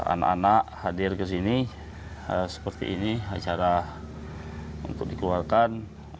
anak anak hadir ke sini seperti ini acara untuk dikeluarkan